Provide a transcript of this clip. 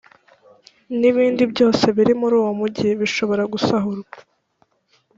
n’ibindi byose biri muri uwo mugi bishobora gusahurwa,